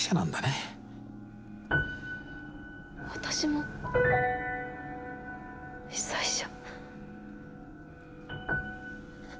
私も被災者。